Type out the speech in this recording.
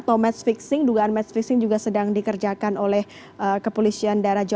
terima kasih mbak